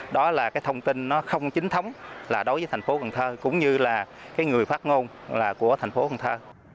đó là thông tin không chính thống đối với tp cần thơ cũng như là người phát ngôn của tp cần thơ